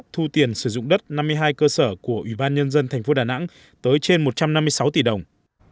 thu tiền sử dụng đất năm mươi hai cơ sở của ubnd tp đà nẵng tới trên một trăm năm mươi sáu tỷ đồng